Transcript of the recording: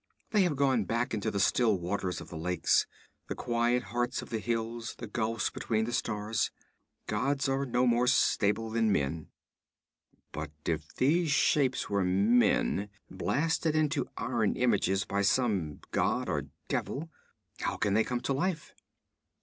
They have gone back into the still waters of the lakes, the quiet hearts of the hills, the gulfs beyond the stars. Gods are no more stable than men.' 'But if these shapes were men, blasted into iron images by some god or devil, how can they come to life?'